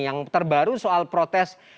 yang terbaru soal protes